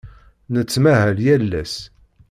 Nettmahal yal ass.